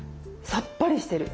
さっぱりしてる。